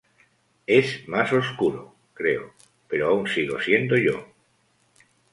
Es más oscuro, creo, pero aún sigo siendo yo".